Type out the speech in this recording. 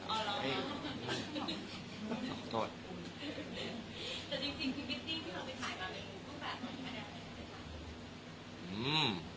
พี่เค้าไปถ่ายบางเรื่องก็แบบ